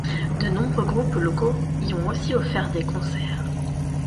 De nombreux groupes locaux y ont aussi offert des concerts.